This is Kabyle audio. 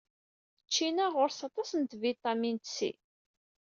Ččina ɣur-s aṭas n tbiṭamint C.